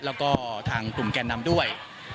แล้วก็ทางกลุ่มแก่นนำด้วย